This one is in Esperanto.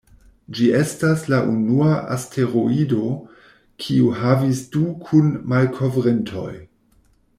Ĝi estas la unua asteroido, kiu havis du kun-malkovrintoj.